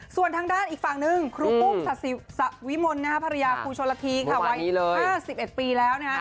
ส่วนทางด้านอีกฝั่งหนึ่งครูปุ๊บสวิมนภรรยาครูชนละทีไว้๕๑ปีแล้ว